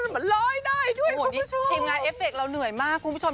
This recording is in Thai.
มันลอยได้ด้วยทีมงานเอฟเคเราเหนื่อยมากคุณผู้ชม